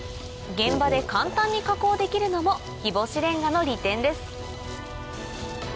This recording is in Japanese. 現場で簡単に加工できるのも日干しレンガの利点です